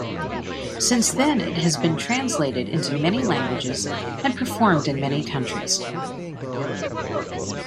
Since then it has been translated into many languages and performed in many countries.